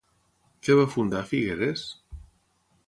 Què va fundar a Figueres?